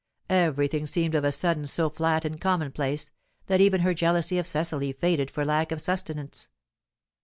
Everything seemed of a sudden so flat and commonplace, that even her jealousy of Cecily faded for lack of sustenance.